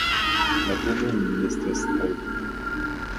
Matene ili estas tre viglaj.